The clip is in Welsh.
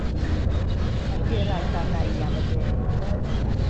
Mae hiraeth arna i am y de.